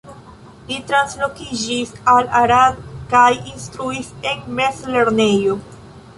Li translokiĝis al Arad kaj instruis en mezlernejo.